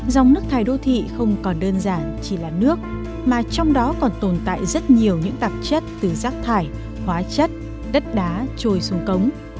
dòng nước thải đô thị không còn đơn giản chỉ là nước mà trong đó còn tồn tại rất nhiều những tạp chất từ rác thải hóa chất đất đá trôi xuống cống